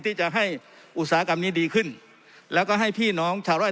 ที่จะให้อุตสาหกรรมนี้ดีขึ้นแล้วก็ให้พี่น้องชาวไร่